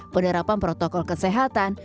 penerapan protokol kesehatan